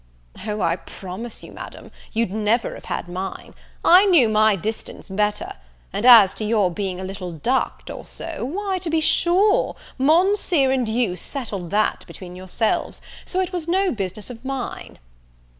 "O, I promise you, Madame, you'd never have had mine; I knew my distance better: and as to your being a little ducked, or so, why, to be sure, Monseer and you settled that between yourselves; so it was no business of mine."